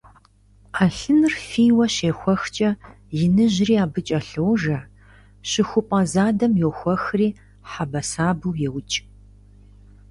Ӏэлъыныр фийуэ щехуэхкӀэ иныжьри абы кӀэлъожэ, щыхупӏэ задэм йохуэхри хьэбэсабэу еукӀ.